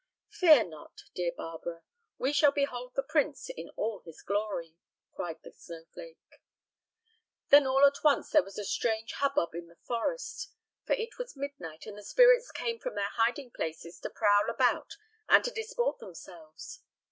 "Fear not, dear Barbara, we shall behold the prince in all his glory," cried the snowflake. Then all at once there was a strange hubbub in the forest; for it was midnight, and the spirits came from their hiding places to prowl about and to disport themselves.